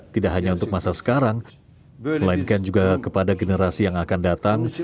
tidak hanya untuk masa sekarang melainkan juga kepada generasi yang akan datang